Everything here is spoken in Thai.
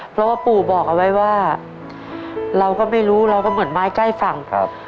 เพราะว่าปู่บอกเอาไว้ว่าเราก็ไม่รู้เราก็เหมือนไม้ใกล้ฝั่งครับ